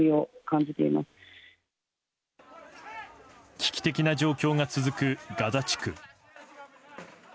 危機的な状況が続くガザ地区。